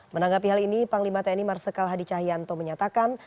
menanggapi hal ini panglima tni marsikal hadi cahyanto menyatakan